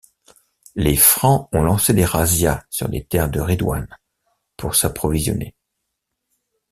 Les Francs ont lancé des razzias sur les terres de Ridwan pour s'approvisionner.